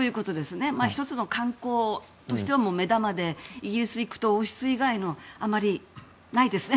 １つの観光としては目玉でイギリスに行くと王室以外にあまりないですね